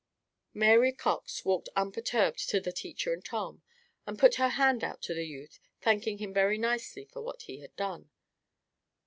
Mary Cox walked unperturbed to the teacher and Tom and put out her hand to the youth, thanking him very nicely for what he had done.